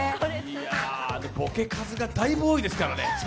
ボケ数がだいぶ、おおいですからね。